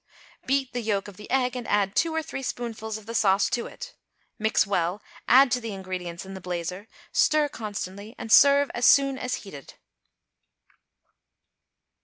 Beat the yolk of the egg and add two or three spoonfuls of the sauce to it; mix well, add to the ingredients in the blazer, stir constantly, and serve as soon as heated.